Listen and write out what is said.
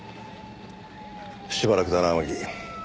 しばらくだな天樹。